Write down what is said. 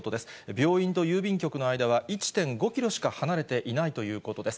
病院と郵便局の間は１．５キロしか離れていないということです。